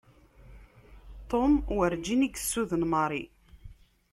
Tom werǧin i yessuden Mary.